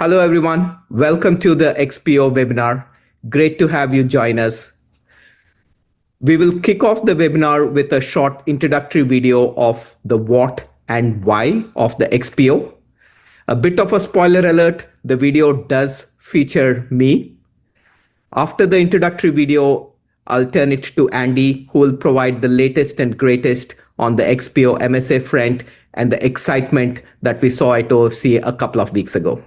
Hello, everyone. Welcome to the XPO webinar. Great to have you join us. We will kick off the webinar with a short introductory video of the what and why of the XPO. A bit of a spoiler alert, the video does feature me. After the introductory video, I'll turn it to Andy, who will provide the latest and greatest on the XPO MSA front and the excitement that we saw at OFC a couple of weeks ago.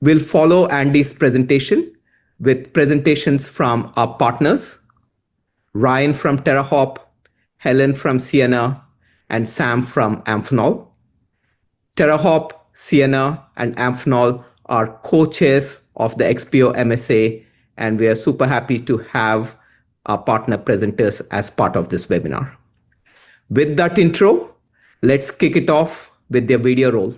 We'll follow Andy's presentation with presentations from our partners, Ryan from TeraHop, Helen Xenos from Ciena, and Sam from Amphenol. TeraHop, Ciena, and Amphenol are co-chairs of the XPO MSA, and we are super happy to have our partner presenters as part of this webinar. With that intro, let's kick it off with the video roll.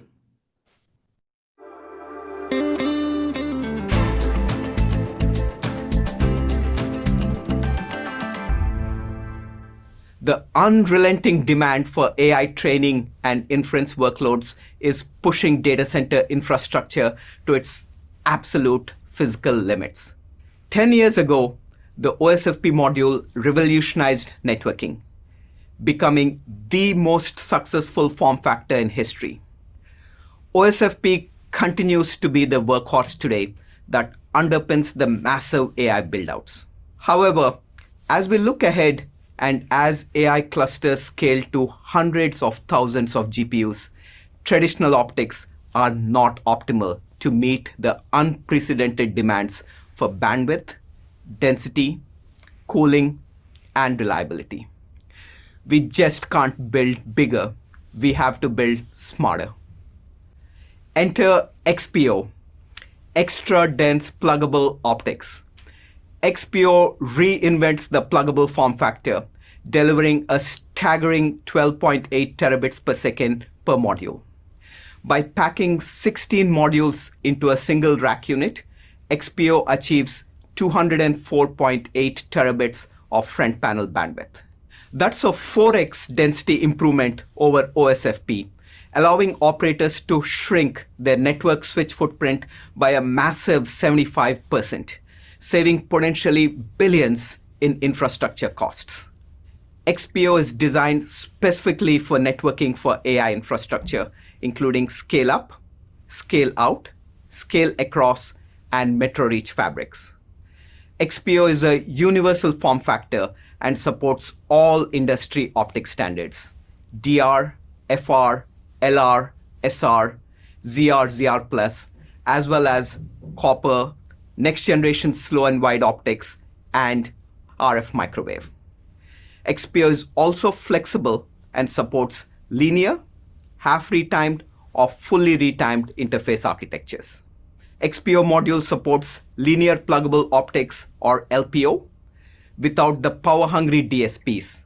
The unrelenting demand for AI training and inference workloads is pushing data center infrastructure to its absolute physical limits. 10 years ago, the OSFP module revolutionized networking, becoming the most successful form factor in history. OSFP continues to be the workhorse today that underpins the massive AI build-outs. However, as we look ahead and as AI clusters scale to hundreds of thousands of GPUs, traditional optics are not optimal to meet the unprecedented demands for bandwidth, density, cooling, and reliability. We just can't build bigger. We have to build smarter. Enter XPO, eXtra-dense Pluggable Optics. XPO reinvents the pluggable form factor, delivering a staggering 12.8 Tbps per module. By packing 16 modules into a single rack unit, XPO achieves 204.8 Tb of front panel bandwidth. That's a 4x density improvement over OSFP, allowing operators to shrink their network switch footprint by a massive 75%, saving potentially $ billions in infrastructure costs. XPO is designed specifically for networking for AI infrastructure, including scale-up, scale-out, scale-across, and metro-reach fabrics. XPO is a universal form factor and supports all industry optic standards, DR, FR, LR, SR, ZR+, as well as copper, next-generation slow and wide optics, and RF microwave. XPO is also flexible and supports linear, half-retimed, or fully retimed interface architectures. XPO module supports linear pluggable optics or LPO without the power-hungry DSPs,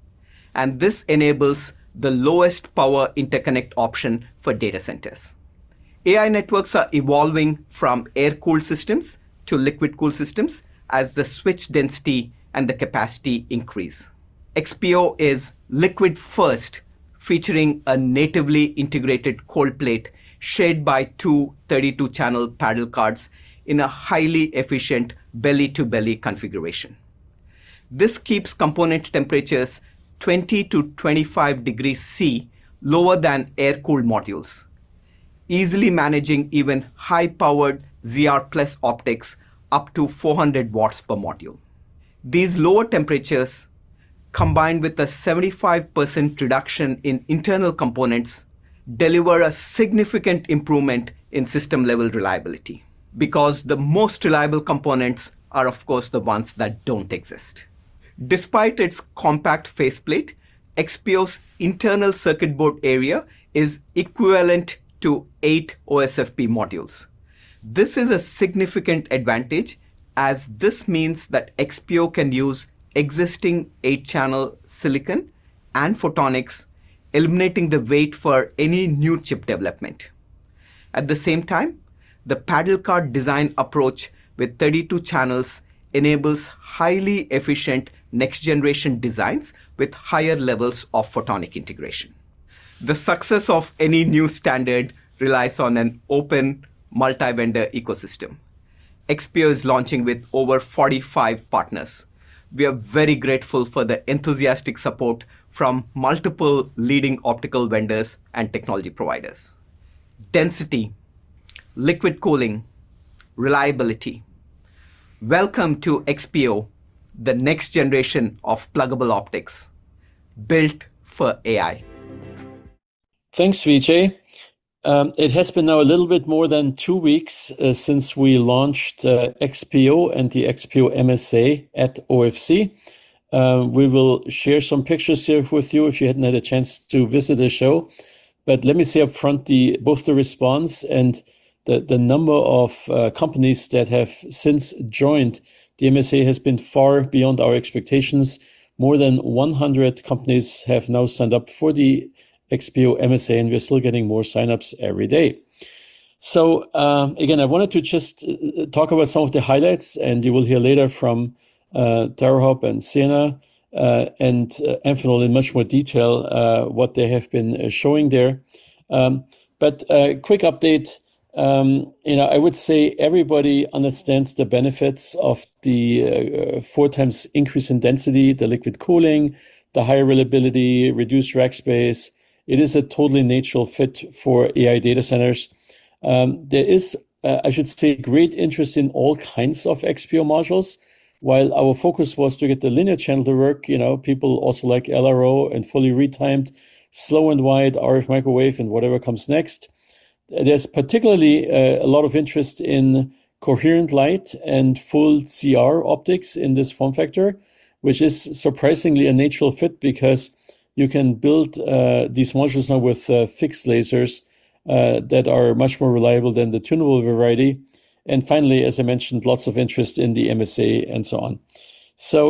and this enables the lowest power interconnect option for data centers. AI networks are evolving from air-cooled systems to liquid-cooled systems as the switch density and the capacity increase. XPO is liquid first, featuring a natively integrated cold plate shared by two 32-channel paddle cards in a highly efficient belly-to-belly configuration. This keeps component temperatures 20-25 degrees Celsius lower than air-cooled modules, easily managing even high-powered ZR+ optics up to 400 W per module. These lower temperatures, combined with the 75% reduction in internal components, deliver a significant improvement in system-level reliability because the most reliable components are, of course, the ones that don't exist. Despite its compact faceplate, XPO's internal circuit board area is equivalent to 8 OSFP modules. This is a significant advantage, as this means that XPO can use existing 8-channel silicon photonics, eliminating the wait for any new chip development. At the same time, the paddle card design approach with 32 channels enables highly efficient next-generation designs with higher levels of photonic integration. The success of any new standard relies on an open multi-vendor ecosystem. XPO is launching with over 45 partners. We are very grateful for the enthusiastic support from multiple leading optical vendors and technology providers. Density, liquid cooling, reliability. Welcome to XPO, the next generation of pluggable optics built for AI. Thanks, Vijay. It has been now a little bit more than two weeks since we launched XPO and the XPO MSA at OFC. We will share some pictures here with you if you hadn't had a chance to visit the show. Let me say up front both the response and the number of companies that have since joined the MSA has been far beyond our expectations. More than 100 companies have now signed up for the XPO MSA, and we're still getting more sign-ups every day. Again, I wanted to just talk about some of the highlights, and you will hear later from TeraHop and Ciena. Anthony will in much more detail what they have been showing there. A quick update. You know, I would say everybody understands the benefits of the four times increase in density, the liquid cooling, the higher reliability, reduced rack space. It is a totally natural fit for AI data centers. There is, I should say, great interest in all kinds of XPO modules. While our focus was to get the linear channel to work, you know, people also like LRO and fully retimed, slow and wide RF microwave and whatever comes next. There's particularly a lot of interest in coherent light and full CR optics in this form factor, which is surprisingly a natural fit because you can build these modules now with fixed lasers that are much more reliable than the tunable variety. Finally, as I mentioned, lots of interest in the MSA and so on.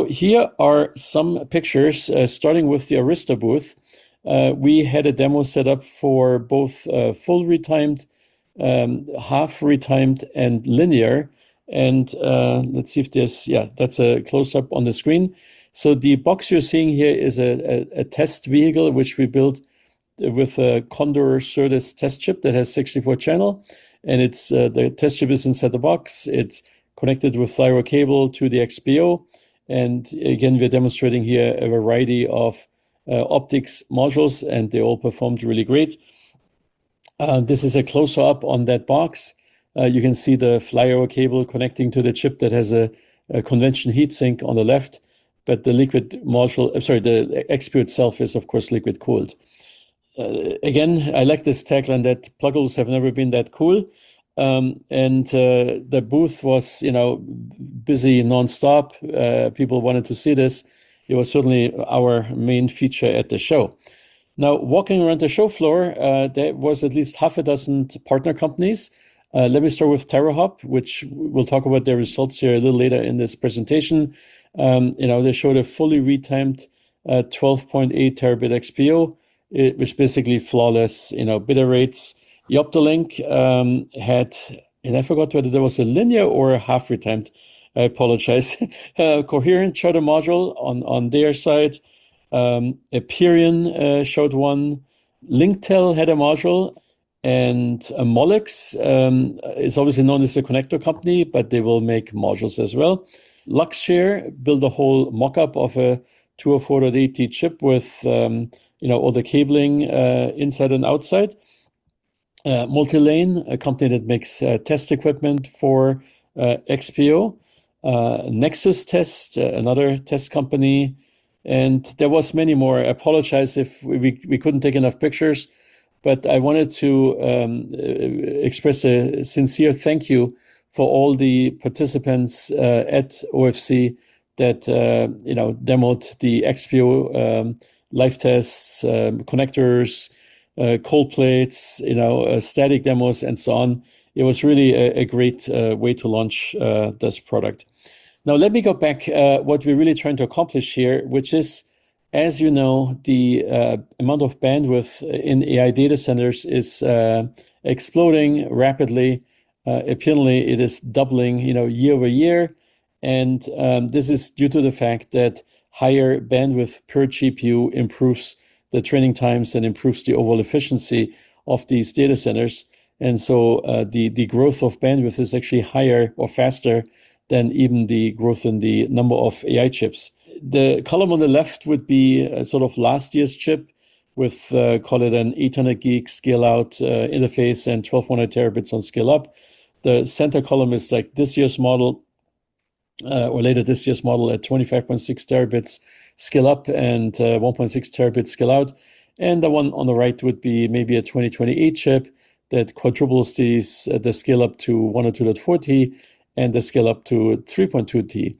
Here are some pictures starting with the Arista booth. We had a demo set up for both full retimed half retimed and linear, and let's see if there's. Yeah, that's a close-up on the screen. The box you're seeing here is a test vehicle which we built with a Condor Cirrus test chip that has 64 channels. The test chip is inside the box. It's connected with fiber cable to the XPO. Again, we're demonstrating here a variety of optics modules, and they all performed really great. This is a close-up on that box. You can see the flyover cable connecting to the chip that has a conventional heat sink on the left. The XPO itself is, of course, liquid-cooled. I like this tagline that pluggables have never been that cool. The booth was, you know, busy nonstop. People wanted to see this. It was certainly our main feature at the show. Now, walking around the show floor, there was at least six partner companies. Let me start with TeraHop, which we'll talk about their results here a little later in this presentation. You know, they showed a fully retimed 12.8 Tb XPO, which basically flawless, you know, bit error rates. YoctoLink had. I forgot whether there was a linear or a half retimed. I apologize. Coherent showed a module on their side. Aperion showed one. Linktel had a module, and Molex is obviously known as a connector company, but they will make modules as well. Luxshare built a whole mock-up of a 20.4.8 T chip with, you know, all the cabling, inside and outside. MultiLane, a company that makes, test equipment for, XPO. Nextest, another test company, and there was many more. I apologize if we couldn't take enough pictures. I wanted to express a sincere thank you for all the participants, at OFC that, you know, demoed the XPO, live tests, connectors, cold plates, you know, static demos, and so on. It was really a great way to launch, this product. Now let me go back, what we're really trying to accomplish here, which is, as you know, the, amount of bandwidth in AI data centers is, exploding rapidly. Apparently it is doubling, you know, year-over-year. This is due to the fact that higher bandwidth per GPU improves the training times and improves the overall efficiency of these data centers. The growth of bandwidth is actually higher or faster than even the growth in the number of AI chips. The column on the left would be sort of last year's chip with, call it an Ethernet-like scale-out interface and 12.8 Tb scale up. The center column is like this year's model or later this year's model at 25.6 Tb scale up and 1.6 Tb scale out. The one on the right would be maybe a 2028 chip that quadruples these, the scale up to 102.4 T and the scale out to 3.2 T.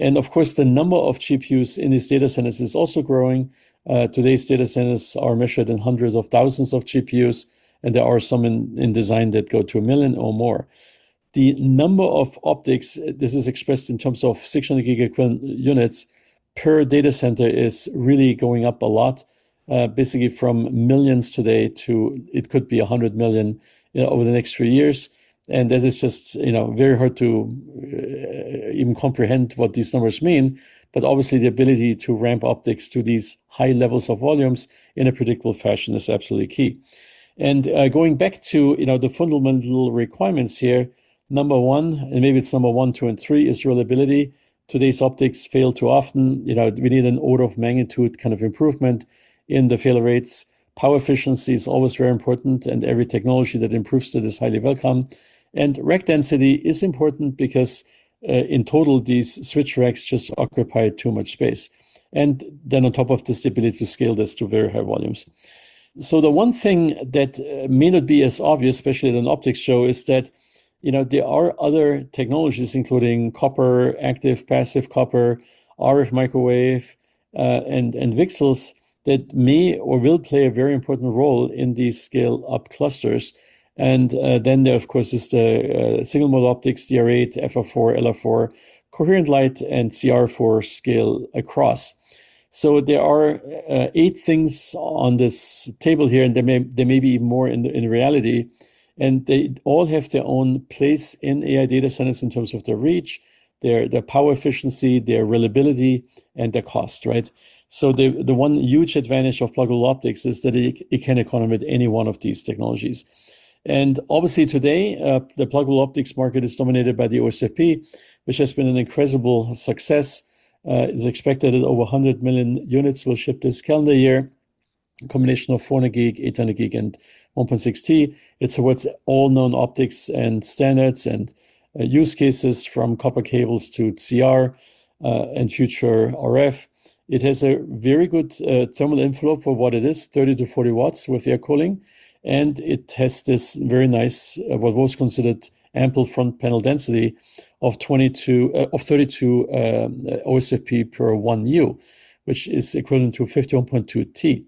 Of course, the number of GPUs in these data centers is also growing. Today's data centers are measured in hundreds of thousands of GPUs, and there are some in design that go to one million or more. The number of optics, this is expressed in terms of 600 gig equivalent units per data center, is really going up a lot, basically from millions today to it could be 100 million, you know, over the next three years. That is just, you know, very hard to even comprehend what these numbers mean. Obviously, the ability to ramp optics to these high levels of volumes in a predictable fashion is absolutely key. Going back to, you know, the fundamental requirements here, number one, and maybe it's number one, two, and three, is reliability. Today's optics fail too often. You know, we need an order of magnitude kind of improvement in the failure rates. Power efficiency is always very important, and every technology that improves it is highly welcome. Rack density is important because in total, these switch racks just occupy too much space. Then on top of this, the ability to scale this to very high volumes. The one thing that may not be as obvious, especially at an optics show, is that, you know, there are other technologies, including copper, active passive copper, RF microwave, and VCSELs that may or will play a very important role in these scale-up clusters. Then there, of course, is the single mode optics, DR8, FR4, LR4, coherent light and CR4 scale across. There are eight things on this table here, and there may be more in reality, and they all have their own place in AI data centers in terms of their reach, their power efficiency, their reliability, and their cost, right? The one huge advantage of pluggable optics is that it can accommodate any one of these technologies. Obviously today, the pluggable optics market is dominated by the OSFP, which has been an incredible success. It is expected that over 100 million units will ship this calendar year, a combination of 40 gig, 80 gig, and 1.6 T. It supports all known optics and standards and use cases from copper cables to CR and future RF. It has a very good thermal envelope for what it is, 30 W to 40 W with air cooling, and it has this very nice, what was considered ample front panel density of 32 OSFP per 1U, which is equivalent to 51.2 T.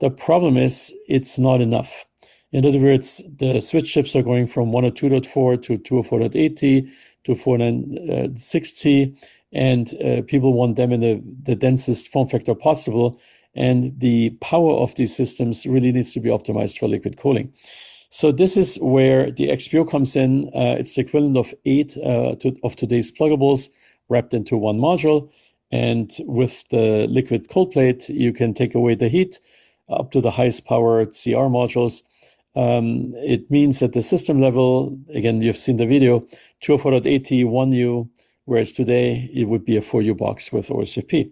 The problem is it's not enough. In other words, the switch chips are going from 1.6 to 2.4 to 4.6 T, and people want them in the densest form factor possible, and the power of these systems really needs to be optimized for liquid cooling. This is where the XPO comes in. It's equivalent of eight to twelve of today's pluggables wrapped into one module, and with the liquid cold plate, you can take away the heat up to the highest power CR modules. It means that the system level, again, you've seen the video, two or four. AT 1U, whereas today it would be a 4U box with OSFP.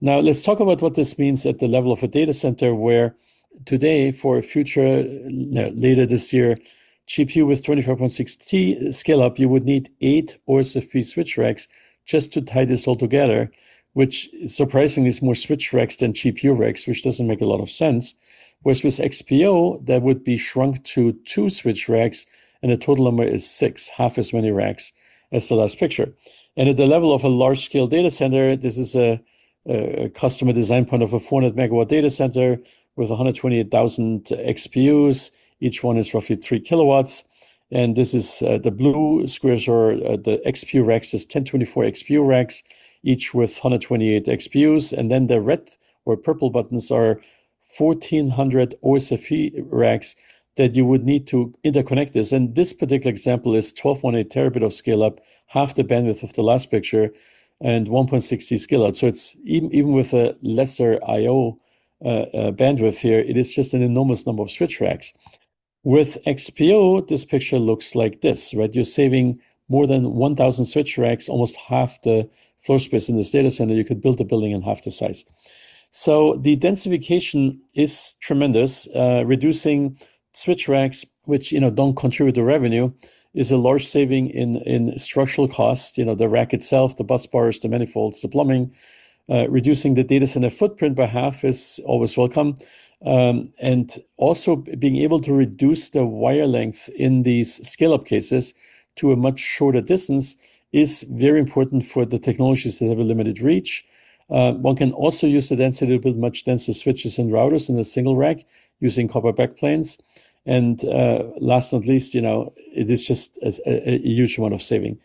Now, let's talk about what this means at the level of a data center, where today, for a future, later this year, GPU with 24.6 T scale-up, you would need 8 OSFP switch racks just to tie this all together, which surprisingly is more switch racks than GPU racks, which doesn't make a lot of sense. Whereas with XPO, that would be shrunk to two switch racks, and the total number is six, half as many racks as the last picture. At the level of a large scale data center, this is a customer design point of a 400 MW data center with 128,000 XPOs. Each one is roughly 3 kW. This is the blue squares are the XPO racks. There are 1,024 XPO racks, each with 128 XPOs. Then the red or purple buttons are 1,400 OSFP racks that you would need to interconnect this. This particular example is 12.8 Tb of scale-up, half the bandwidth of the last picture and 1.6 T scale-out. It's even with a lesser IO bandwidth here, it is just an enormous number of switch racks. With XPO, this picture looks like this, right? You're saving more than 1,000 switch racks, almost half the floor space in this data center. You could build a building in half the size. The densification is tremendous. Reducing switch racks, which, you know, don't contribute to revenue, is a large saving in structural cost. You know, the rack itself, the bus bars, the manifolds, the plumbing. Reducing the data center footprint by half is always welcome. Also being able to reduce the wire length in these scale-up cases to a much shorter distance is very important for the technologies that have a limited reach. One can also use the density to put much denser switches and routers in a single rack using copper back planes. Last but not least, you know, it is just a huge amount of savings.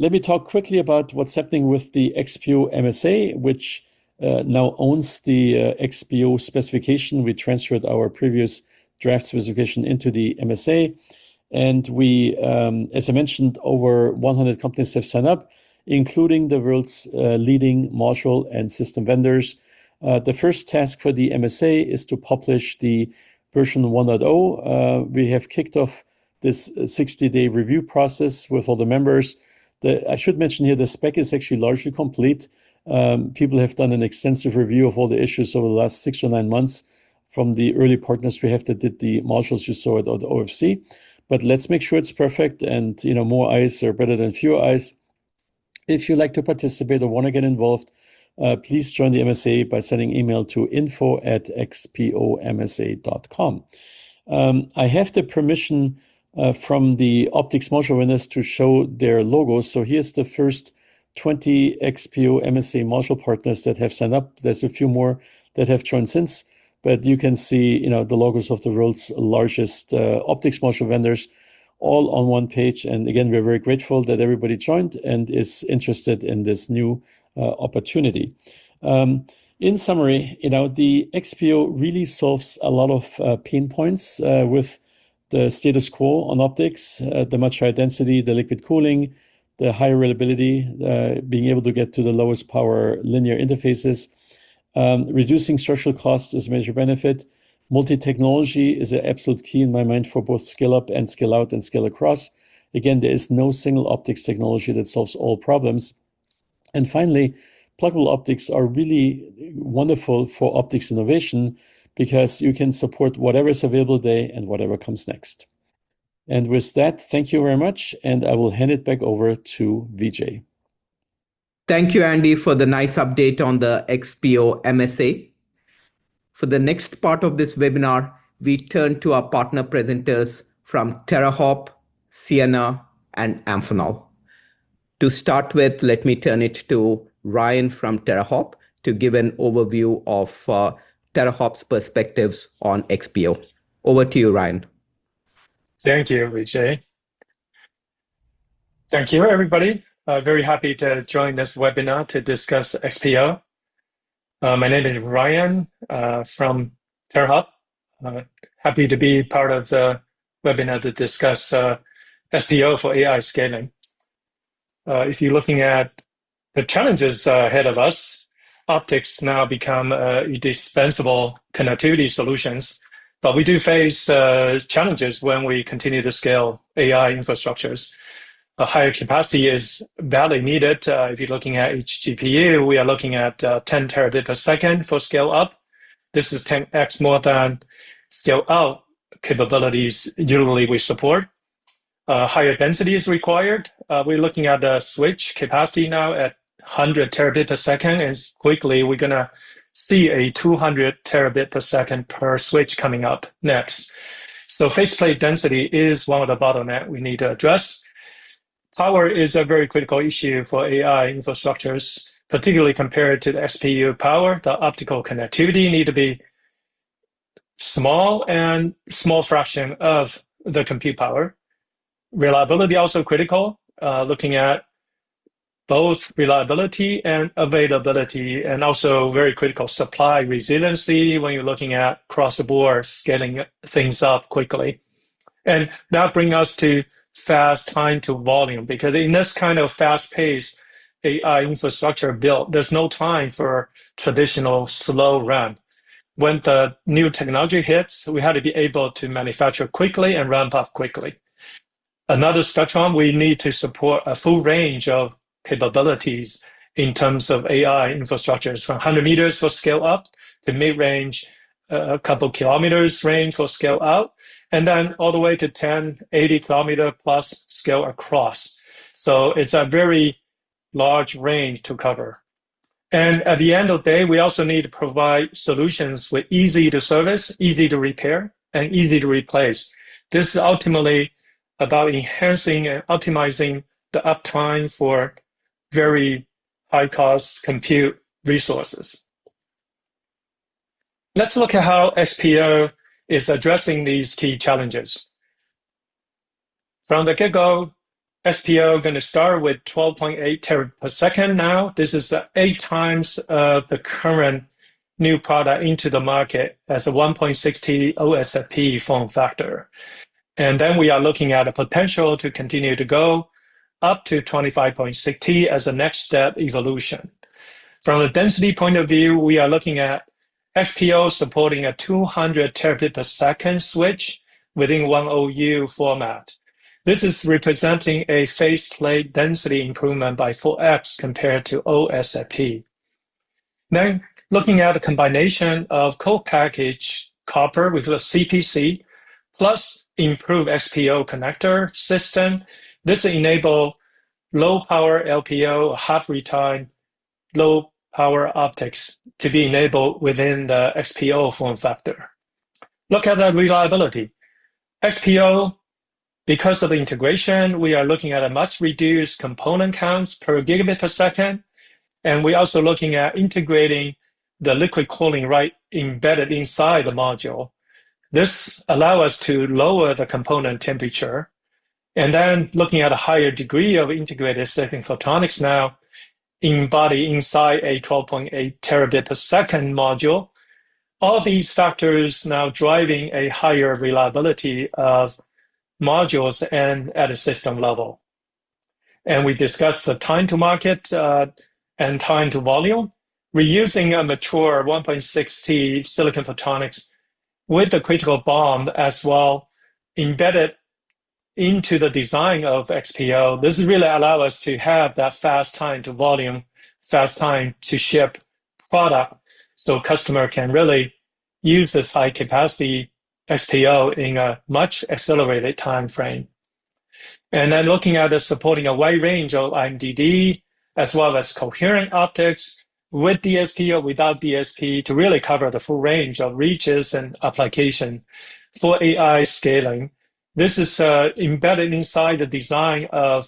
Let me talk quickly about what's happening with the XPO MSA, which now owns the XPO specification. We transferred our previous draft specification into the MSA. As I mentioned, over 100 companies have signed up, including the world's leading module and system vendors. The first task for the MSA is to publish the version 1.0. We have kicked off this 60-day review process with all the members. I should mention here the spec is actually largely complete. People have done an extensive review of all the issues over the last six or nine months from the early partners we have that did the modules you saw at OFC. Let's make sure it's perfect and, you know, more eyes are better than fewer eyes. If you'd like to participate or wanna get involved, please join the MSA by sending email to info@xpomsa.com. I have the permission from the optics module vendors to show their logos. So here's the first 20 XPO MSA module partners that have signed up. There's a few more that have joined since, but you can see, you know, the logos of the world's largest, optics module vendors all on one page. We're very grateful that everybody joined and is interested in this new, opportunity. In summary, you know, the XPO really solves a lot of, pain points, with the status quo on optics, the much higher density, the liquid cooling, the higher reliability, being able to get to the lowest power linear interfaces. Reducing structural costs is a major benefit. Multi-technology is an absolute key in my mind for both scale-up and scale-out and scale-across. Again, there is no single optics technology that solves all problems. Pluggable optics are really wonderful for optics innovation because you can support whatever is available today and whatever comes next. With that, thank you very much, and I will hand it back over to Vijay. Thank you, Andy, for the nice update on the XPO MSA. For the next part of this webinar, we turn to our partner presenters from TeraHop, Ciena and Amphenol. To start with, let me turn it to Ryan from TeraHop to give an overview of TeraHop's perspectives on XPO. Over to you, Ryan. Thank you, Vijay. Thank you, everybody. Very happy to join this webinar to discuss XPO. My name is Ryan, from TeraHop. Happy to be part of the webinar to discuss XPO for AI scaling. If you're looking at the challenges ahead of us, optics now become indispensable connectivity solutions, but we do face challenges when we continue to scale AI infrastructures. A higher capacity is badly needed. If you're looking at each GPU, we are looking at 10 Tbps for scale up. This is 10x more than scale-out capabilities usually we support. Higher density is required. We're looking at the switch capacity now at 100 Tbps, and quickly, we're going to see 200 Tbps per switch coming up next. So faceplate density is one of the bottleneck we need to address. Power is a very critical issue for AI infrastructures, particularly compared to the GPU power. The optical connectivity need to be small and small fraction of the compute power. Reliability also critical. Looking at both reliability and availability, and also very critical supply resiliency when you're looking at across the board scaling things up quickly. That bring us to fast time to volume. Because in this kind of fast pace AI infrastructure build, there's no time for traditional slow ramp. When the new technology hits, we had to be able to manufacture quickly and ramp up quickly. Another spectrum, we need to support a full range of capabilities in terms of AI infrastructures. From 100 m for scale up to mid-range, a couple km range for scale out, and then all the way to 10-80 km+ scale across. It's a very large range to cover. At the end of day, we also need to provide solutions with easy to service, easy to repair, and easy to replace. This is ultimately about enhancing and optimizing the uptime for very high-cost compute resources. Let's look at how XPO is addressing these key challenges. From the get-go, XPO going to start with 12.8 Tbps now. This is 8x of the current new product into the market as a 1.6 OSFP form factor. Then we are looking at a potential to continue to go up to 25.6 T as a next step evolution. From the density point of view, we are looking at XPO supporting a 200 Tbps switch within 1U format. This is representing a faceplate density improvement by 4x compared to OSFP. Now, looking at a combination of co-package copper, we call it CPC, plus improved XPO connector system, this enable low power LPO half retime low power optics to be enabled within the XPO form factor. Look at that reliability. XPO, because of the integration, we are looking at a much reduced component counts per gigabit per second, and we're also looking at integrating the liquid cooling right embedded inside the module. This allow us to lower the component temperature, and then looking at a higher degree of integrated silicon photonics now embody inside a 12.8 Tbps module. All these factors now driving a higher reliability of modules and at a system level. We discussed the time to market, and time to volume. We're using a mature 1.60 silicon photonics with a chiplet bonding as well embedded into the design of XPO. This really allow us to have that fast time to volume, fast time to ship product, so customer can really use this high capacity XPO in a much accelerated timeframe. Looking at supporting a wide range of IMDD as well as coherent optics with DSP or without DSP to really cover the full range of reaches and application for AI scaling. This is embedded inside the design of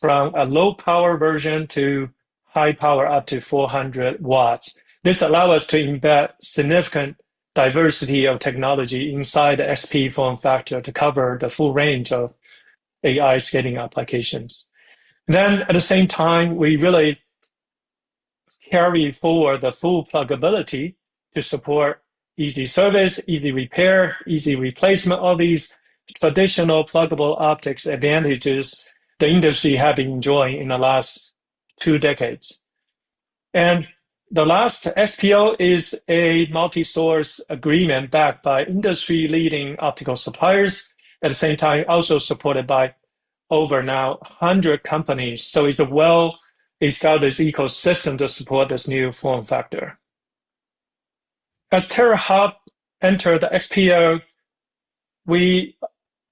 from a low power version to high power up to 400 W. This allow us to embed significant diversity of technology inside the XPO form factor to cover the full range of AI scaling applications. At the same time, we really carry forward the full pluggability to support easy service, easy repair, easy replacement. All these traditional pluggable optics advantages the industry have enjoyed in the last two decades. The last XPO is a multi-source agreement backed by industry leading optical suppliers. At the same time, also supported by over 100 companies. It's a well-established ecosystem to support this new form factor. As TeraHop enter the XPO, we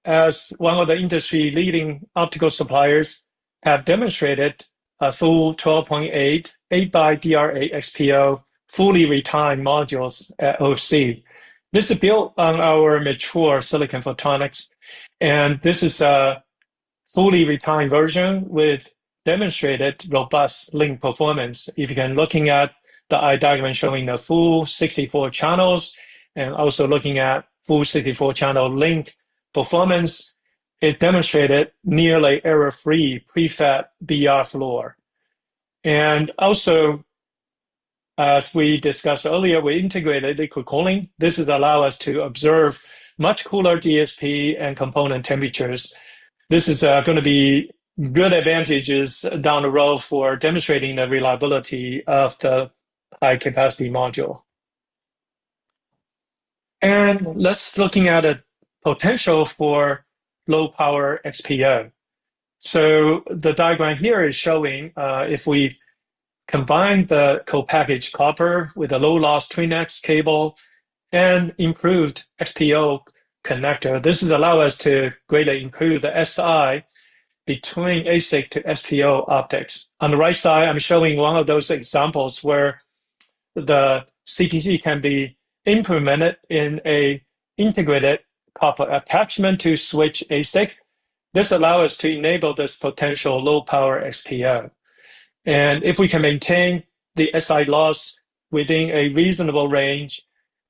as one of the industry leading optical suppliers, have demonstrated a full 12.88 by DR8 XPO fully retimed modules at OFC. This is built on our mature silicon photonics, and this is a fully retimed version with demonstrated robust link performance. If you're looking at the eye diagram showing the full 64 channels and also looking at full 64 channel link performance, it demonstrated nearly error-free pre-FEC BER floor. Also, as we discussed earlier, we integrated liquid cooling. This is allow us to observe much cooler DSP and component temperatures. This is gonna be good advantages down the road for demonstrating the reliability of the high-capacity module. Let's look at a potential for low-power XPO. The diagram here is showing if we combine the co-packaged copper with a low-loss Twinax cable and improved XPO connector, this allows us to greatly improve the SI between ASIC to XPO optics. On the right side, I'm showing one of those examples where the CPC can be implemented in an integrated copper attachment to switch ASIC. This allows us to enable this potential low-power XPO. If we can maintain the SI loss within a reasonable range,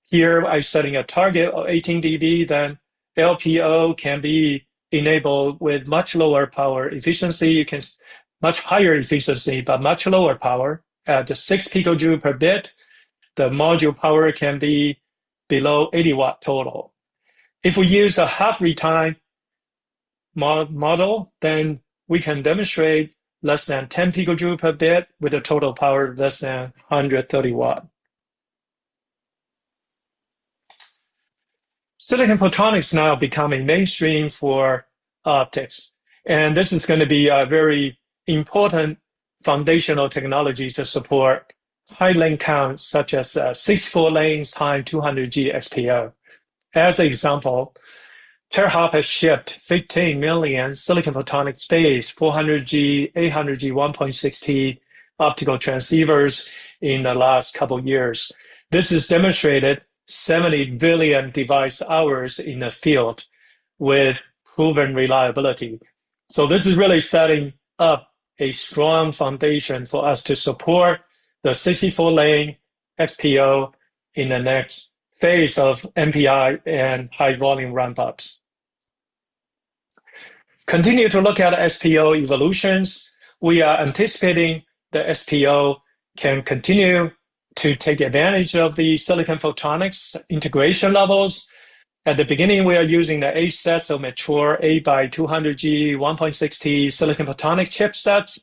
here I'm setting a target of 18 dB, then LPO can be enabled with much lower power efficiency. Much higher efficiency, but much lower power, at just 6 pJ/bit, the module power can be below 80 W total. If we use a half-rate retimer model, then we can demonstrate less than 10 pJ/bit with a total power of less than 130 W. Silicon photonics now becoming mainstream for optics, and this is gonna be a very important foundational technology to support high lane counts, such as 64 lanes times 200 G XPO. As an example, TeraHop has shipped 15 million silicon photonics-based 400 G, 800 G, 1.6 T optical transceivers in the last couple years. This has demonstrated 70 billion device hours in the field with proven reliability. This is really setting up a strong foundation for us to support the 64-lane XPO in the next phase of NPI and high-volume ramp-ups. Continue to look at XPO evolutions. We are anticipating the XPO can continue to take advantage of the silicon photonics integration levels. At the beginning, we are using the ASICs of mature eight by 200 G, 1.6 T silicon photonic chipsets.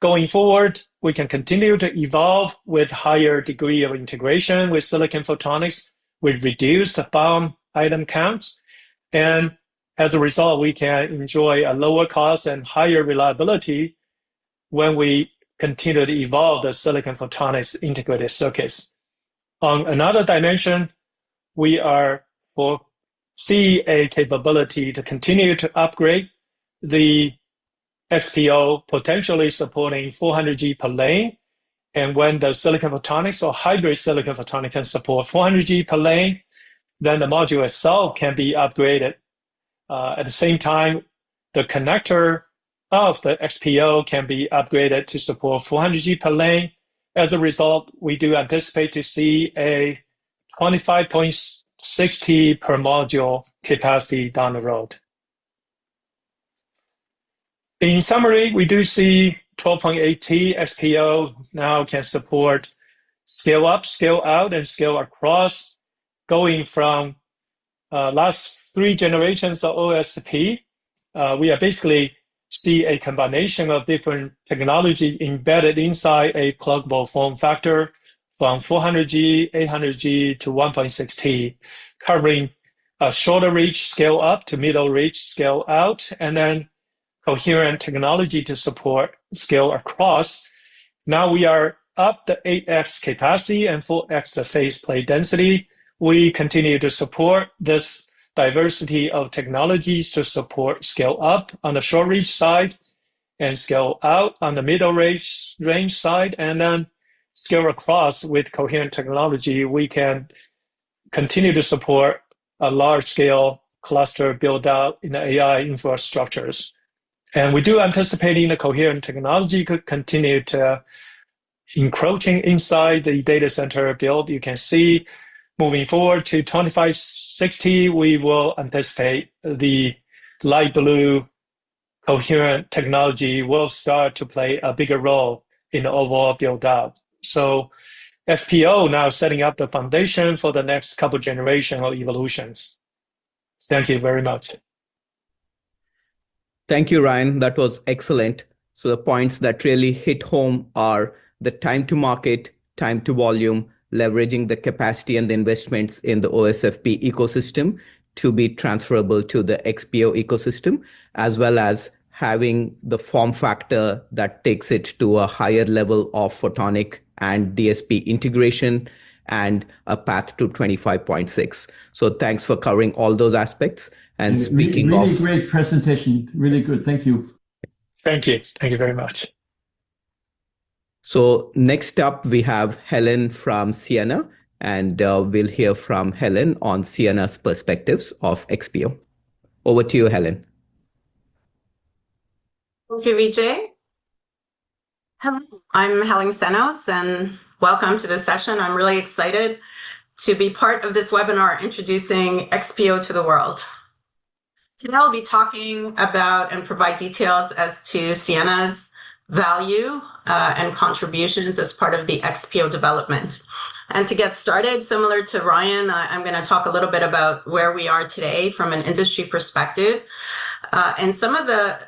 Going forward, we can continue to evolve with higher degree of integration with silicon photonics. We've reduced the BOM item count, and as a result, we can enjoy a lower cost and higher reliability when we continue to evolve the silicon photonics integrated circuits. On another dimension, we are foresee a capability to continue to upgrade the XPO, potentially supporting 400 G per lane, and when the silicon photonics or hybrid silicon photonic can support 400 G per lane, then the module itself can be upgraded. At the same time, the connector of the XPO can be upgraded to support 400 G per lane. As a result, we do anticipate to see a 25.6 T per module capacity down the road. In summary, we do see 12.8 T XPO now can support scale up, scale out, and scale across, going from last three generations of OSFP. We basically see a combination of different technology embedded inside a pluggable form factor from 400 G, 800 G, to 1.6 T, covering a shorter reach scale up to middle reach scale out, and then coherent technology to support scale across. Now we are up to 8x capacity and 4x the faceplate density. We continue to support this diversity of technologies to support scale up on the short reach side and scale out on the middle range side, and then scale across with coherent technology. We can continue to support a large-scale cluster build-out in the AI infrastructures. We do anticipating the coherent technology could continue to encroaching inside the data center build. You can see moving forward to 25.6 T, we will anticipate the light blue coherent technology will start to play a bigger role in the overall build-out. XPO now setting up the foundation for the next couple generational evolutions. Thank you very much. Thank you, Ryan. That was excellent. The points that really hit home are the time to market, time to volume, leveraging the capacity and the investments in the OSFP ecosystem to be transferable to the XPO ecosystem, as well as having the form factor that takes it to a higher level of photonic and DSP integration and a path to 25.6. Thanks for covering all those aspects. Really great presentation. Really good. Thank you. Thank you. Thank you very much. Next up, we have Helen Xenos from Ciena, and we'll hear from Helen Xenos on Ciena's perspectives of XPO. Over to you, Helen Xenos. Thank you, Vijay. I'm Helen Xenos, and welcome to the session. I'm really excited to be part of this webinar introducing XPO to the world. Today I'll be talking about and provide details as to Ciena's value and contributions as part of the XPO development. To get started, similar to Ryan, I'm gonna talk a little bit about where we are today from an industry perspective and some of the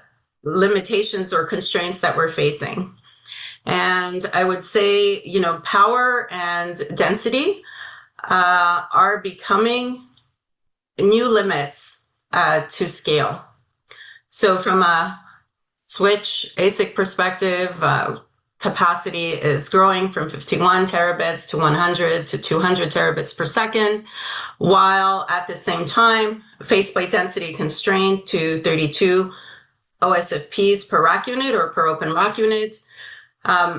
limitations or constraints that we're facing. I would say, you know, power and density are becoming new limits to scale. From a switch ASIC perspective, capacity is growing from 51 Tb to 100 Tbps to 200 Tbps, while at the same time faced by density constraint to 32 OSFPs per rack unit or per open rack unit.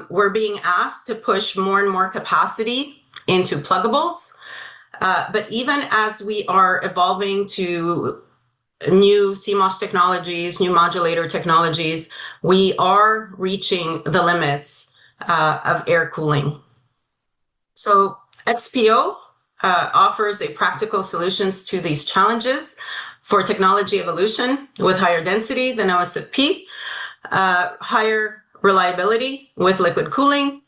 We're being asked to push more and more capacity into pluggables, but even as we are evolving to new CMOS technologies, new modulator technologies, we are reaching the limits of air cooling. XPO offers a practical solutions to these challenges for technology evolution with higher density than OSFP, higher reliability with liquid cooling,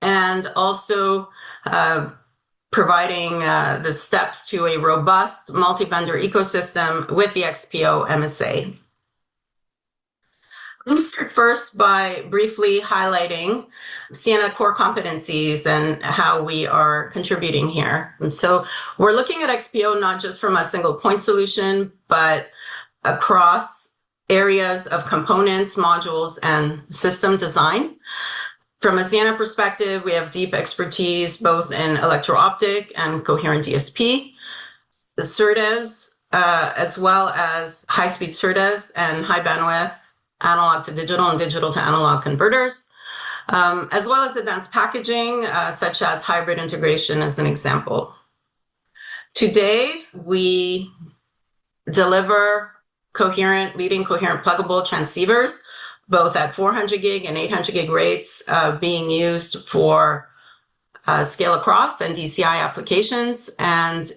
and also providing the steps to a robust multi-vendor ecosystem with the XPO MSA. I'm gonna start first by briefly highlighting Ciena core competencies and how we are contributing here. We're looking at XPO not just from a single point solution, but across areas of components, modules, and system design. From a Ciena perspective, we have deep expertise both in electro-optic and coherent DSP, the SERDES, as well as high-speed SERDES and high bandwidth analog to digital and digital to analog converters, as well as advanced packaging, such as hybrid integration as an example. Today, we deliver leading coherent pluggable transceivers both at 400 gig and 800 gig rates, being used for scale across and DCI applications.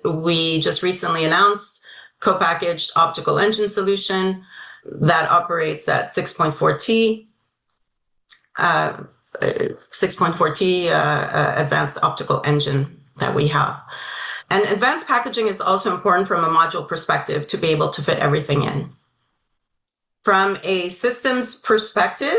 We just recently announced co-packaged optical engine solution that operates at 6.4 T, advanced optical engine that we have. Advanced packaging is also important from a module perspective to be able to fit everything in. From a systems perspective,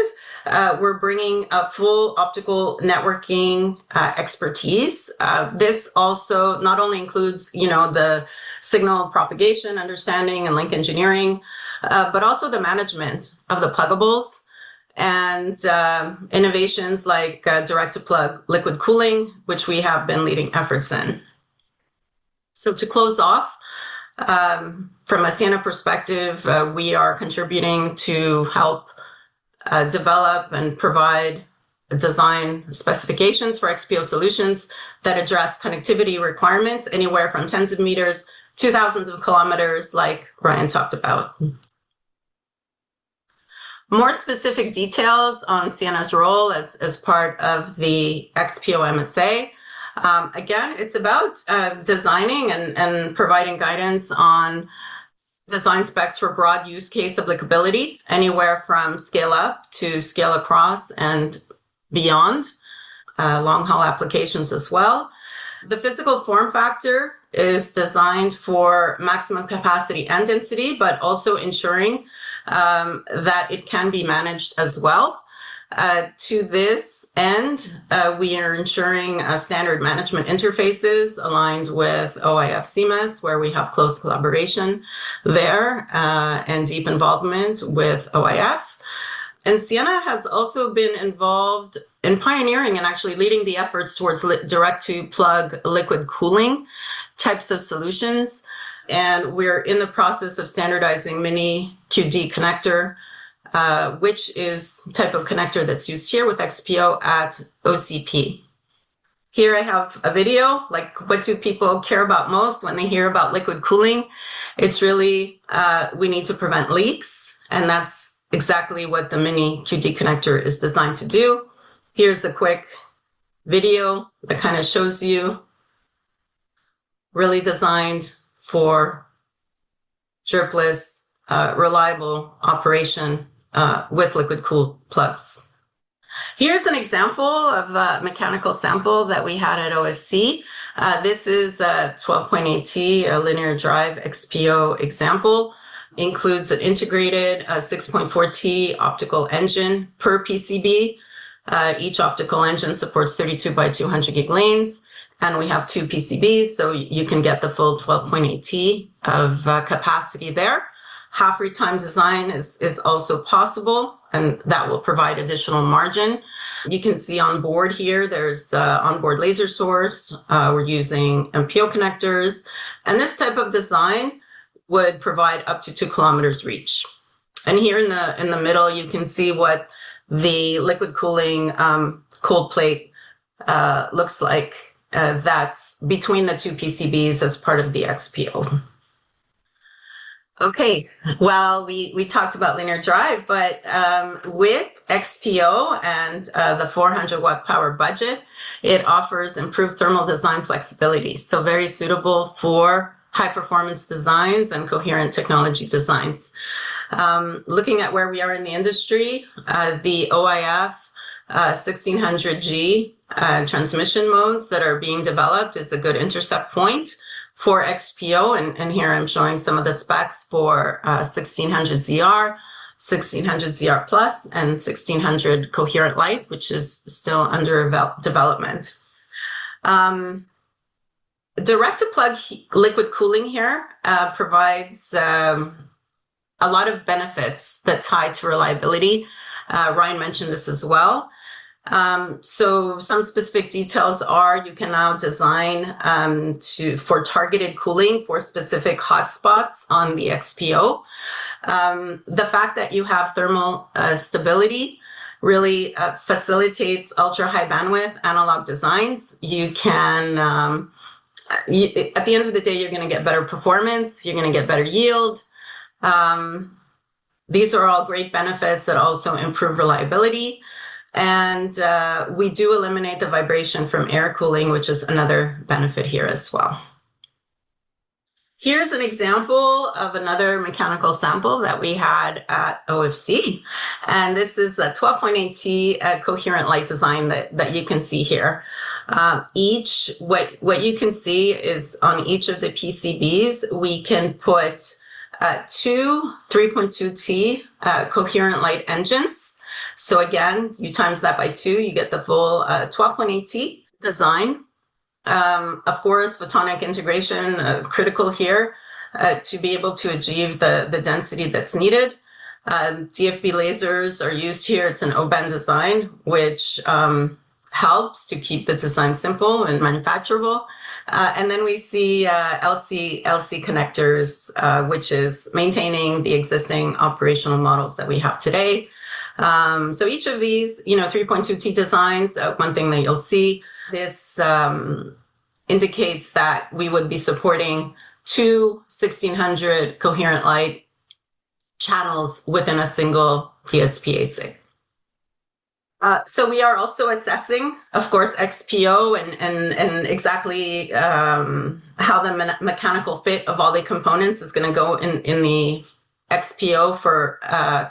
we're bringing a full optical networking expertise. This also not only includes, you know, the signal propagation, understanding, and link engineering, but also the management of the pluggables and innovations like direct to plug liquid cooling, which we have been leading efforts in. To close off, from a Ciena perspective, we are contributing to help develop and provide design specifications for XPO solutions that address connectivity requirements anywhere from tens of meters to thousands of kilometers like Ryan talked about. More specific details on Ciena's role as part of the XPO MSA. Again, it's about designing and providing guidance on design specs for broad use case applicability anywhere from scale up to scale across and beyond long-haul applications as well. The physical form factor is designed for maximum capacity and density, but also ensuring that it can be managed as well. To this end, we are ensuring standard management interfaces aligned with OIF CMIS, where we have close collaboration there, and deep involvement with OIF. Ciena has also been involved in pioneering and actually leading the efforts towards direct to plug liquid cooling types of solutions. We're in the process of standardizing Mini QD connector, which is type of connector that's used here with XPO at OCP. Here I have a video, like what do people care about most when they hear about liquid cooling? It's really, we need to prevent leaks, and that's exactly what the Mini QD connector is designed to do. Here's a quick video that kinda shows you really designed for dripless, reliable operation, with liquid cooled plugs. Here's an example of a mechanical sample that we had at OFC. This is a 12.8 T, a linear drive XPO example. Includes an integrated 6.4 T optical engine per PCB. Each optical engine supports 32 by 200 gig lanes, and we have 2 PCBs, so you can get the full 12.8 T of capacity there. Half retime design is also possible, and that will provide additional margin. You can see onboard here, there's an onboard laser source. We're using MPO connectors. This type of design would provide up to 2 km reach. Here in the middle, you can see what the liquid cooling cold plate looks like. That's between the 2 PCBs as part of the XPO. Okay. Well, we talked about linear drive, but with XPO and the 400 W power budget, it offers improved thermal design flexibility, so very suitable for high performance designs and coherent technology designs. Looking at where we are in the industry, the OIF 1600 G transmission modes that are being developed is a good intercept point for XPO. Here I'm showing some of the specs for 1600ZR+, and 1600 Coherent-Lite, which is still under development. Direct to plug liquid cooling here provides a lot of benefits that tie to reliability. Ryan mentioned this as well. Some specific details are, you can now design for targeted cooling for specific hotspots on the XPO. The fact that you have thermal stability really facilitates ultra high bandwidth analog designs. You can, at the end of the day, you're gonna get better performance, you're gonna get better yield. These are all great benefits that also improve reliability. We do eliminate the vibration from air cooling, which is another benefit here as well. Here's an example of another mechanical sample that we had at OFC, and this is a 12.8 T coherent light design that you can see here. What you can see is on each of the PCBs, we can put two 3.2 T coherent light engines. Again, you times that by two, you get the full 12.8 T design. Of course, photonic integration, critical here, to be able to achieve the density that's needed. DFB lasers are used here. It's an open design, which helps to keep the design simple and manufacturable. Then we see LC connectors, which is maintaining the existing operational models that we have today. Each of these, you know, 3.2 T designs, one thing that you'll see, this indicates that we would be supporting two 1600 coherent light channels within a single OSFP. We are also assessing, of course, XPO and exactly how the mechanical fit of all the components is gonna go in the XPO for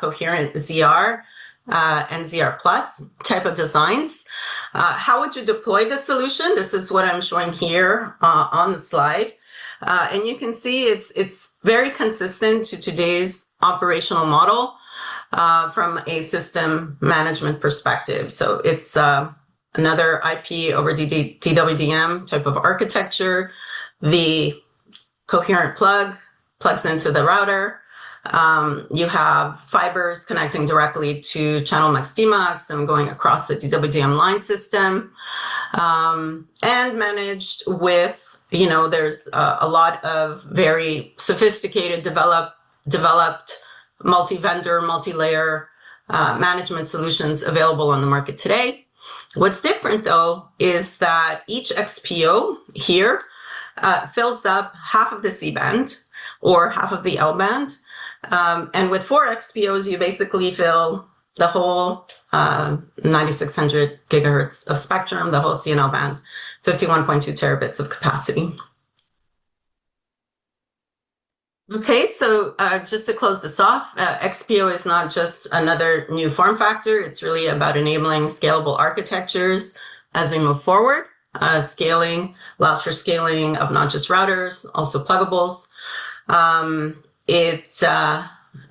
coherent ZR and ZR+ type of designs. How would you deploy the solution? This is what I'm showing here on the slide. You can see it's very consistent to today's operational model from a system management perspective. It's another IP over DWDM type of architecture. The coherent plug plugs into the router. You have fibers connecting directly to channel mux demux, and going across the DWDM line system, and managed with, you know, there's a lot of very sophisticated developed multi-vendor, multi-layer management solutions available on the market today. What's different though is that each XPO here fills up half of the C-band or half of the L-band. With four XPOs, you basically fill the whole 9,600 GHz of spectrum, the whole C+L band, 51.2 Tb of capacity. Okay. Just to close this off, XPO is not just another new form factor. It's really about enabling scalable architectures as we move forward. Scaling allows for scaling of not just routers, also pluggables. It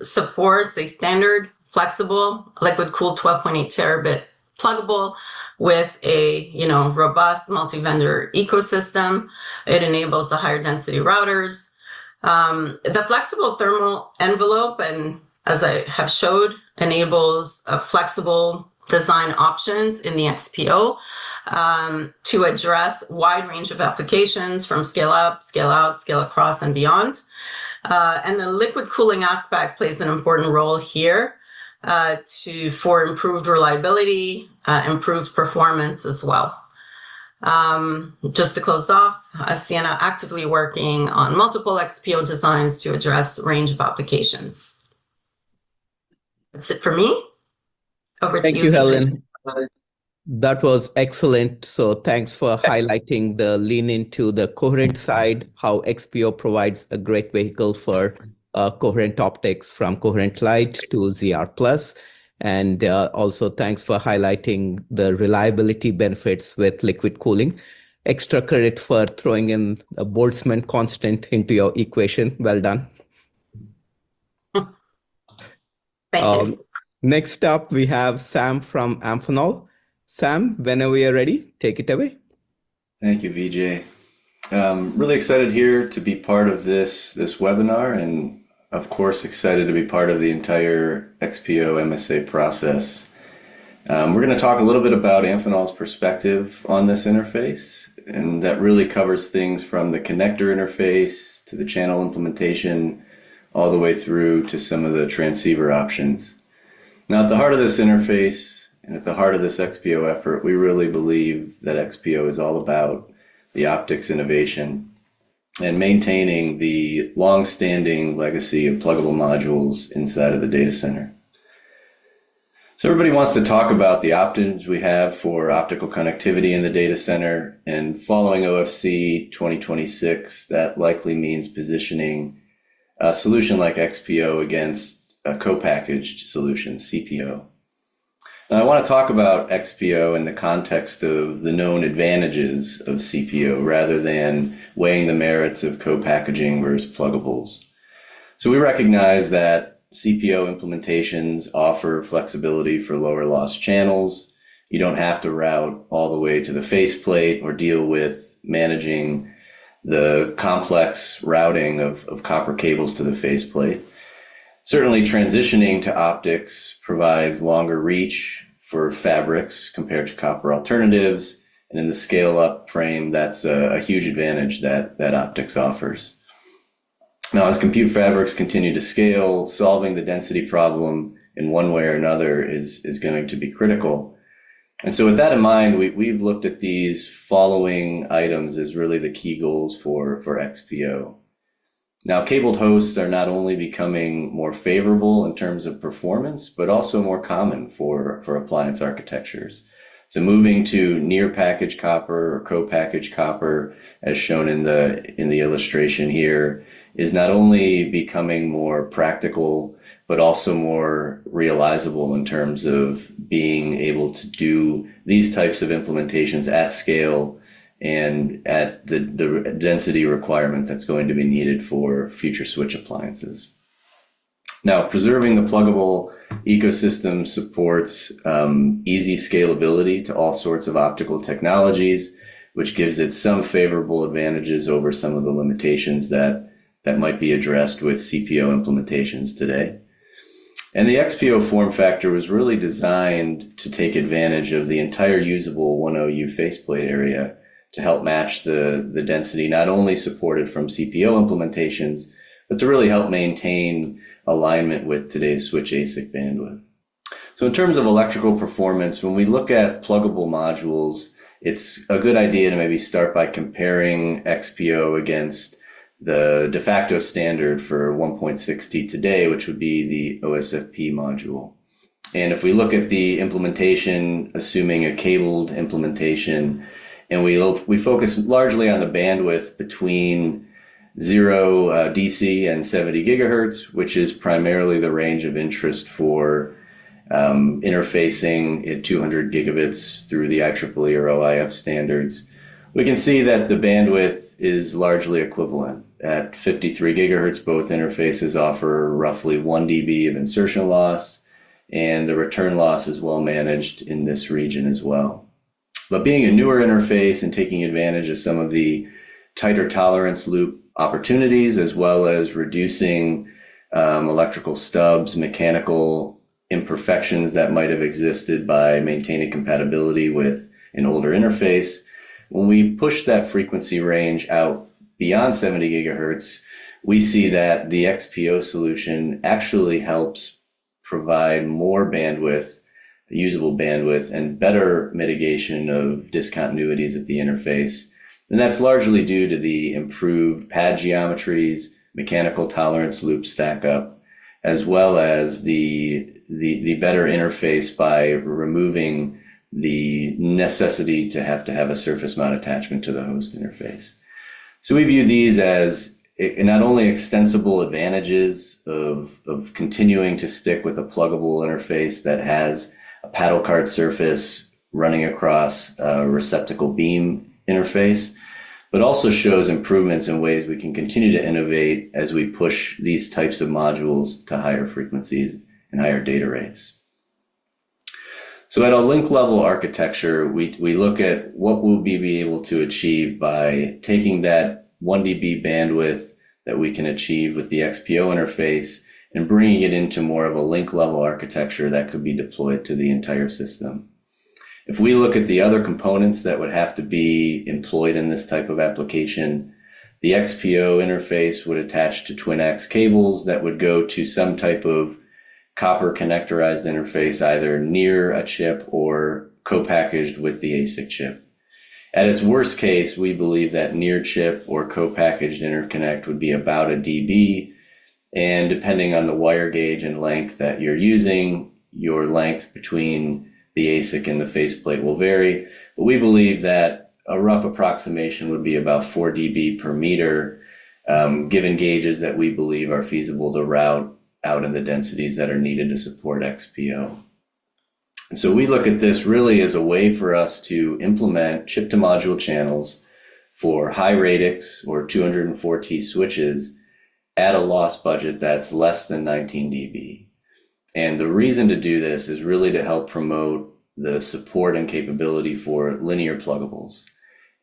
supports a standard flexible liquid cool 12.8 Tb pluggable with a, you know, robust multi-vendor ecosystem. It enables the higher density routers. The flexible thermal envelope, and as I have showed, enables a flexible design options in the XPO to address a wide range of applications from scale up, scale out, scale across and beyond. The liquid cooling aspect plays an important role here for improved reliability, improved performance as well. Just to close off, Ciena actively working on multiple XPO designs to address a range of applications. That's it for me. Over to you, Vijay. Thank you, Helen. That was excellent. Thanks for highlighting the lean into the coherent side, how XPO provides a great vehicle for coherent optics from coherent light to ZR+. Also thanks for highlighting the reliability benefits with liquid cooling. Extra credit for throwing in a Boltzmann constant into your equation. Well done. Thank you. Next up we have Sam from Amphenol. Sam, whenever you're ready, take it away. Thank you, Vijay. I'm really excited here to be part of this webinar and of course, excited to be part of the entire XPO MSA process. We're gonna talk a little bit about Amphenol's perspective on this interface, and that really covers things from the connector interface to the channel implementation, all the way through to some of the transceiver options. Now, at the heart of this interface and at the heart of this XPO effort, we really believe that XPO is all about the optics innovation and maintaining the long-standing legacy of pluggable modules inside of the data center. Everybody wants to talk about the options we have for optical connectivity in the data center, and following OFC 2026, that likely means positioning a solution like XPO against a co-packaged solution, CPO. Now I want to talk about XPO in the context of the known advantages of CPO rather than weighing the merits of co-packaging versus pluggables. We recognize that CPO implementations offer flexibility for lower loss channels. You don't have to route all the way to the faceplate or deal with managing the complex routing of copper cables to the faceplate. Certainly, transitioning to optics provides longer reach for fabrics compared to copper alternatives, and in the scale-up frame, that's a huge advantage that optics offers. Now, as compute fabrics continue to scale, solving the density problem in one way or another is going to be critical. With that in mind, we've looked at these following items as really the key goals for XPO. Now, cabled hosts are not only becoming more favorable in terms of performance, but also more common for appliance architectures. Moving to near package copper or co-package copper, as shown in the illustration here, is not only becoming more practical, but also more realizable in terms of being able to do these types of implementations at scale and at the density requirement that's going to be needed for future switch appliances. Now, preserving the pluggable ecosystem supports easy scalability to all sorts of optical technologies, which gives it some favorable advantages over some of the limitations that might be addressed with CPO implementations today. The XPO form factor was really designed to take advantage of the entire usable 1U faceplate area to help match the density, not only supported from CPO implementations, but to really help maintain alignment with today's switch ASIC bandwidth. In terms of electrical performance, when we look at pluggable modules, it's a good idea to maybe start by comparing XPO against the de facto standard for 1.6 today, which would be the OSFP module. If we look at the implementation, assuming a cabled implementation, and we focus largely on the bandwidth between 0 DC and 70 GHz, which is primarily the range of interest for interfacing at 200 gb through the IEEE or OIF standards. We can see that the bandwidth is largely equivalent. At 53 GHz, both interfaces offer roughly one dB of insertion loss, and the return loss is well managed in this region as well, being a newer interface and taking advantage of some of the tighter tolerance loop opportunities, as well as reducing electrical stubs, mechanical imperfections that might have existed by maintaining compatibility with an older interface. When we push that frequency range out beyond 70 GHz, we see that the XPO solution actually helps provide more bandwidth, usable bandwidth, and better mitigation of discontinuities at the interface. That's largely due to the improved pad geometries, mechanical tolerance loop stack up, as well as the better interface by removing the necessity to have a surface mount attachment to the host interface. We view these as not only extensible advantages of continuing to stick with a pluggable interface that has a paddle card surface running across a receptacle beam interface, but also shows improvements in ways we can continue to innovate as we push these types of modules to higher frequencies and higher data rates. At a link level architecture, we look at what we will be able to achieve by taking that 1 dB bandwidth that we can achieve with the XPO interface and bringing it into more of a link level architecture that could be deployed to the entire system. If we look at the other components that would have to be employed in this type of application, the XPO interface would attach to twinax cables that would go to some type of copper connectorized interface, either near a chip or co-packaged with the ASIC chip. At its worst case, we believe that near chip or co-packaged interconnect would be about 1 dB, and depending on the wire gauge and length that you're using, the length between the ASIC and the faceplate will vary. We believe that a rough approximation would be about 4 dB per meter, given gauges that we believe are feasible to route out in the densities that are needed to support XPO. We look at this really as a way for us to implement chip-to-module channels for high radix or 240 switches at a loss budget that's less than 19 dB. The reason to do this is really to help promote the support and capability for linear pluggables.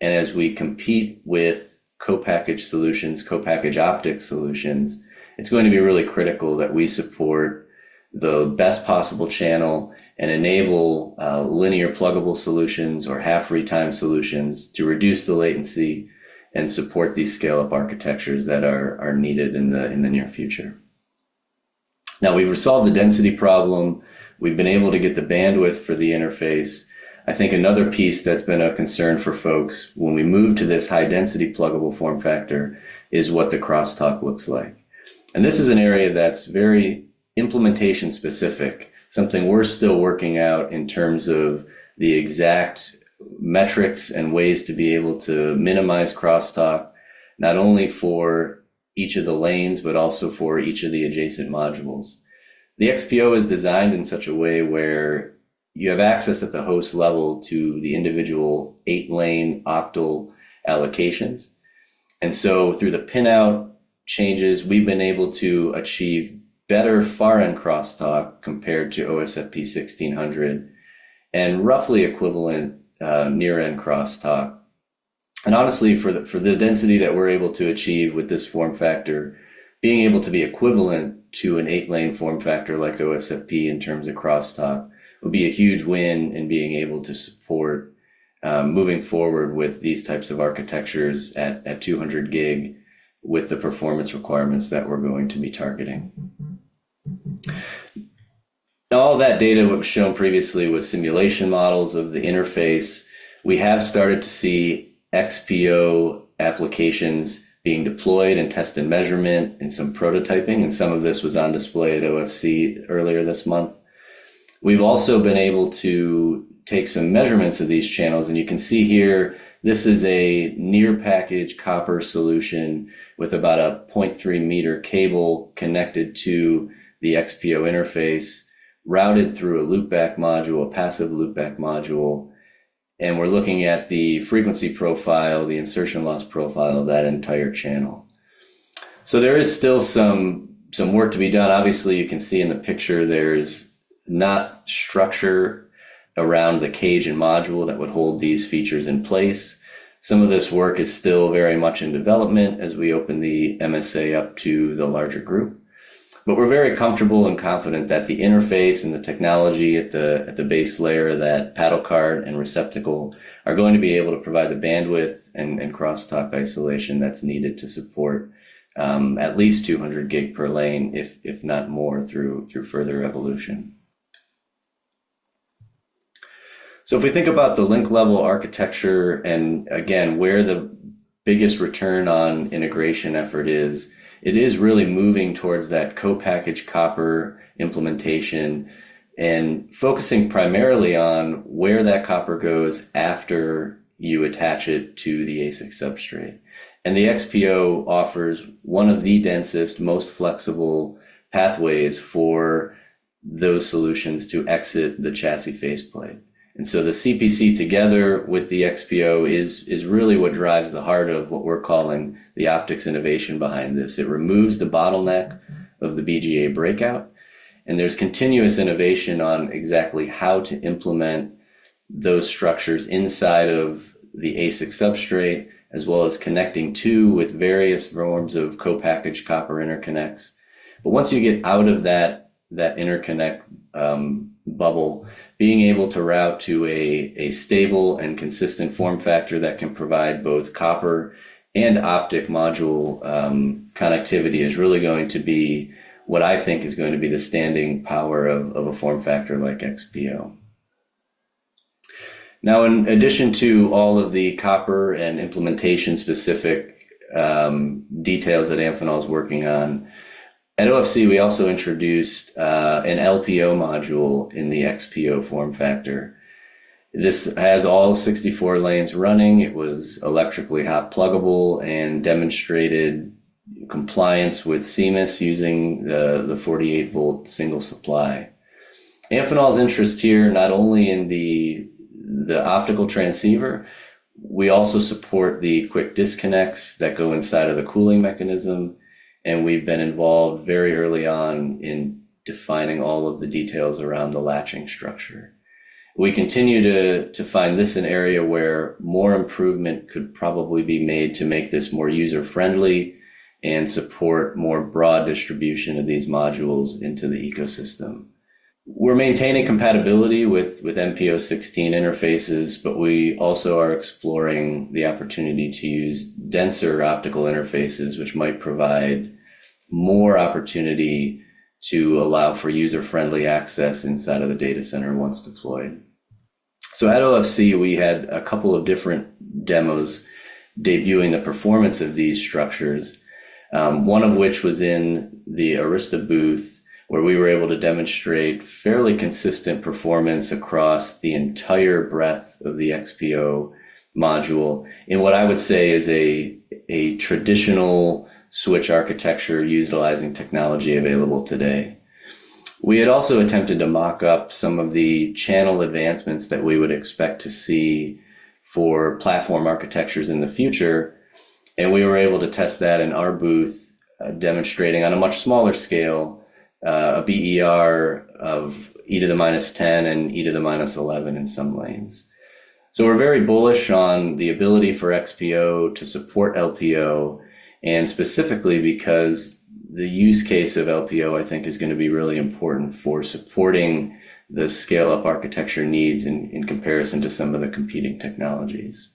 As we compete with co-packaged solutions, co-packaged optics solutions, it's going to be really critical that we support the best possible channel and enable linear pluggable solutions or half-retimer solutions to reduce the latency and support these scale-up architectures that are needed in the near future. Now, we've resolved the density problem. We've been able to get the bandwidth for the interface. I think another piece that's been a concern for folks when we move to this high-density pluggable form factor is what the crosstalk looks like. This is an area that's very implementation specific, something we're still working out in terms of the exact metrics and ways to be able to minimize crosstalk, not only for each of the lanes, but also for each of the adjacent modules. The XPO is designed in such a way where you have access at the host level to the individual 8-lane octal allocations. Through the pinout changes, we've been able to achieve better far-end crosstalk compared to OSFP 1600, and roughly equivalent near-end crosstalk. Honestly, for the density that we're able to achieve with this form factor, being able to be equivalent to an 8-lane form factor like the OSFP in terms of crosstalk would be a huge win in being able to support moving forward with these types of architectures at 200 gig with the performance requirements that we're going to be targeting. Now all that data we've shown previously was simulation models of the interface. We have started to see XPO applications being deployed in test and measurement and some prototyping, and some of this was on display at OFC earlier this month. We've also been able to take some measurements of these channels, and you can see here this is a near-package copper solution with about a 0.3 m cable connected to the XPO interface, routed through a loopback module, a passive loopback module, and we're looking at the frequency profile, the insertion loss profile of that entire channel. There is still some work to be done. Obviously, you can see in the picture there's no structure around the cage and module that would hold these features in place. Some of this work is still very much in development as we open the MSA up to the larger group. We're very comfortable and confident that the interface and the technology at the base layer, that paddle card and receptacle, are going to be able to provide the bandwidth and crosstalk isolation that's needed to support at least 200 gig per lane, if not more, through further evolution. If we think about the link level architecture and again, where the biggest return on integration effort is, it is really moving towards that co-package copper implementation and focusing primarily on where that copper goes after you attach it to the ASIC substrate. The XPO offers one of the densest, most flexible pathways for those solutions to exit the chassis faceplate. The CPC together with the XPO is really what drives the heart of what we're calling the optics innovation behind this. It removes the bottleneck of the BGA breakout, and there's continuous innovation on exactly how to implement those structures inside of the ASIC substrate, as well as connecting two with various forms of co-package copper interconnects. Once you get out of that interconnect, bubble, being able to route to a stable and consistent form factor that can provide both copper and optic module, connectivity is really going to be what I think is going to be the standing power of a form factor like XPO. Now in addition to all of the copper and implementation specific, details that Amphenol's working on, at OFC we also introduced, an LPO module in the XPO form factor. This has all 64 lanes running. It was electrically hot pluggable and demonstrated compliance with CMIS using the 48-volt single supply. Amphenol's interest here not only in the optical transceiver, we also support the quick disconnects that go inside of the cooling mechanism, and we've been involved very early on in defining all of the details around the latching structure. We continue to find this an area where more improvement could probably be made to make this more user-friendly and support more broad distribution of these modules into the ecosystem. We're maintaining compatibility with MPO-16 interfaces, but we also are exploring the opportunity to use denser optical interfaces, which might provide more opportunity to allow for user-friendly access inside of the data center once deployed. At OFC, we had a couple of different demos debuting the performance of these structures, one of which was in the Arista booth, where we were able to demonstrate fairly consistent performance across the entire breadth of the XPO module in what I would say is a traditional switch architecture utilizing technology available today. We had also attempted to mock up some of the channel advancements that we would expect to see for platform architectures in the future, and we were able to test that in our booth, demonstrating on a much smaller scale, a BER of e to the minus 10 and e to the minus 11 in some lanes. We're very bullish on the ability for XPO to support LPO, and specifically because the use case of LPO I think is gonna be really important for supporting the scale-up architecture needs in comparison to some of the competing technologies.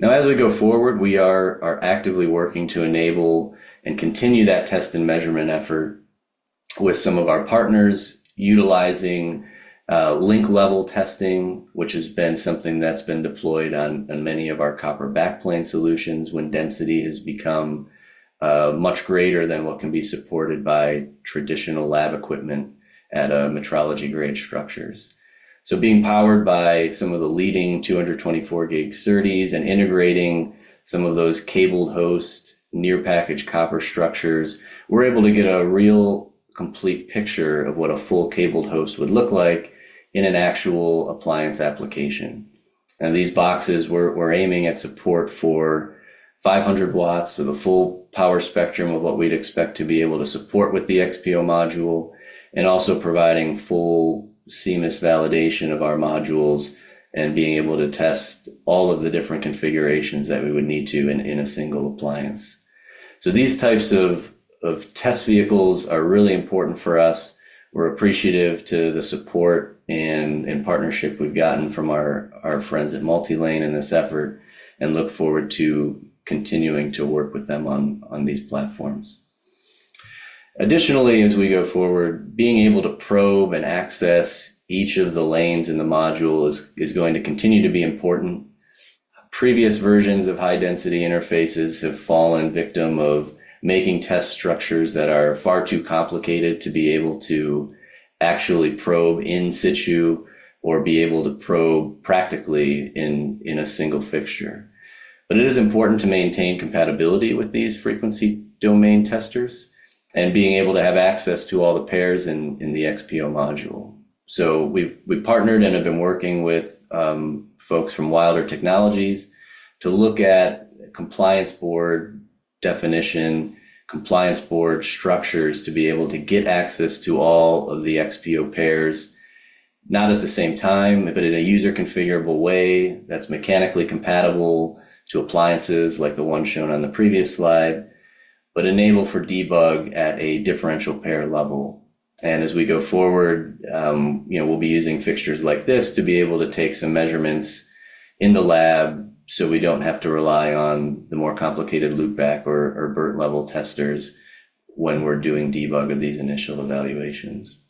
Now, as we go forward, we are actively working to enable and continue that test and measurement effort with some of our partners, utilizing link-level testing, which has been something that's been deployed on many of our copper backplane solutions when density has become much greater than what can be supported by traditional lab equipment at metrology-grade structures. Being powered by some of the leading 224 gig SERDES and integrating some of those cabled host near package copper structures, we're able to get a real complete picture of what a full cabled host would look like in an actual appliance application. These boxes we're aiming at support for 500 W, so the full power spectrum of what we'd expect to be able to support with the XPO module. Also providing full CMIS validation of our modules and being able to test all of the different configurations that we would need to in a single appliance. These types of test vehicles are really important for us. We're appreciative to the support and partnership we've gotten from our friends at MultiLane in this effort, and look forward to continuing to work with them on these platforms. Additionally, as we go forward, being able to probe and access each of the lanes in the module is going to continue to be important. Previous versions of high-density interfaces have fallen victim of making test structures that are far too complicated to be able to actually probe in situ or be able to probe practically in a single fixture. It is important to maintain compatibility with these frequency domain testers, and being able to have access to all the pairs in the XPO module. We partnered and have been working with folks from Wilder Technologies to look at compliance board definition, compliance board structures to be able to get access to all of the XPO pairs, not at the same time, but in a user configurable way that's mechanically compatible to appliances like the one shown on the previous slide, but enable for debug at a differential pair level. As we go forward, you know, we'll be using fixtures like this to be able to take some measurements in the lab so we don't have to rely on the more complicated loopback or BERT level testers when we're doing debug of these initial evaluations.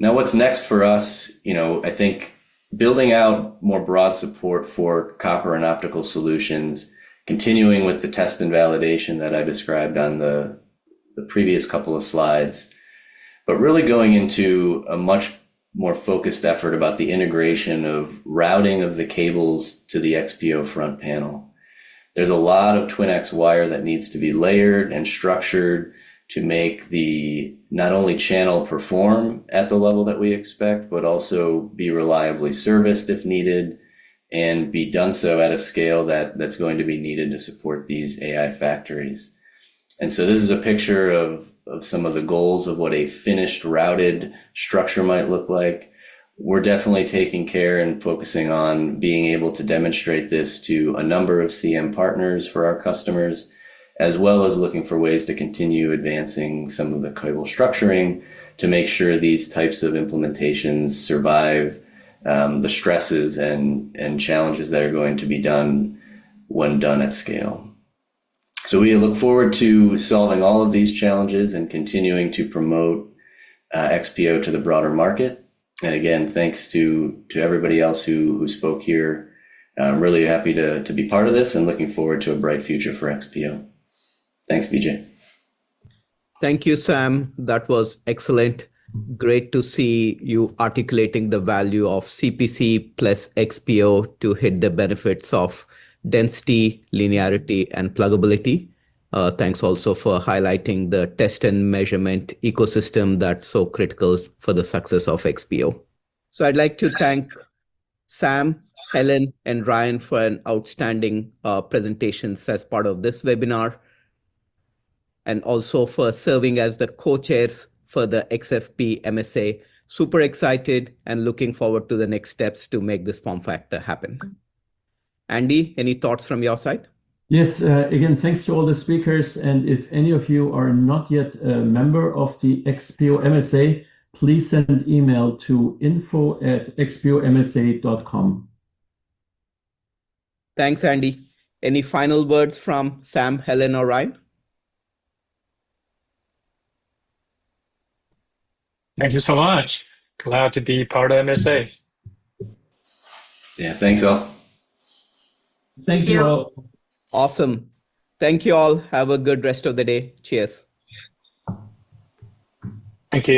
Now, what's next for us? You know, I think building out more broad support for copper and optical solutions, continuing with the test and validation that I described on the previous couple of slides. Really going into a much more focused effort about the integration of routing of the cables to the XPO front panel. There's a lot of Twinax wire that needs to be layered and structured to make not only the channel perform at the level that we expect, but also be reliably serviced if needed, and be done so at a scale that's going to be needed to support these AI factories. This is a picture of some of the goals of what a finished routed structure might look like. We're definitely taking care and focusing on being able to demonstrate this to a number of CM partners for our customers, as well as looking for ways to continue advancing some of the cable structuring to make sure these types of implementations survive the stresses and challenges that are going to be done when done at scale. We look forward to solving all of these challenges and continuing to promote XPO to the broader market. Again, thanks to everybody else who spoke here. I'm really happy to be part of this and looking forward to a bright future for XPO. Thanks, Vijay. Thank you, Sam. That was excellent. Great to see you articulating the value of CPC plus XPO to hit the benefits of density, linearity, and pluggability. Thanks also for highlighting the test and measurement ecosystem that's so critical for the success of XPO. I'd like to thank Sam, Helen, and Ryan for an outstanding presentations as part of this webinar, and also for serving as the co-chairs for the XFP MSA. Super excited and looking forward to the next steps to make this form factor happen. Andy, any thoughts from your side? Yes. Again, thanks to all the speakers. If any of you are not yet a member of the XPO MSA, please send an email to info@xpomsa.com. Thanks, Andy. Any final words from Sam, Helen, or Ryan? Thank you so much. Glad to be part of MSA. Yeah. Thanks, all. Thank you. Awesome. Thank you, all. Have a good rest of the day. Cheers. Thank you.